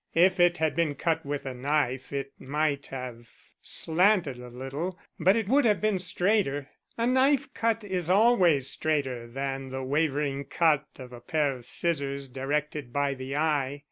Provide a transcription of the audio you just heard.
If it had been cut with a knife it might have slanted a little, but it would have been straighter: a knife cut is always straighter than the wavering cut of a pair of scissors directed by the eye.